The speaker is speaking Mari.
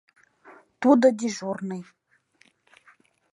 — Тудо дежурный.